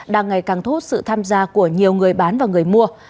đã ngày càng thốt sự tham gia của nhiều người bán và người mua